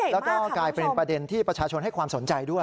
แล้วก็กลายเป็นประเด็นที่ประชาชนให้ความสนใจด้วย